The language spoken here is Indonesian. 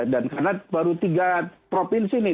dan karena baru tiga provinsi nih